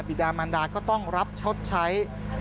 ิดามันดาก็ต้องรับชดใช้